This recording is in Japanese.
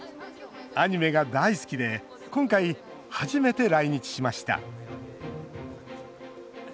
アニメが大好きで今回、初めて来日しました。